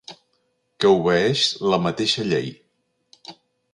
Que obeeix la mateixa llei.